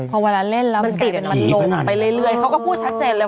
พอเวลาเล่นแล้วมันติดมันลงไปเรื่อยเขาก็พูดชัดเจนเลย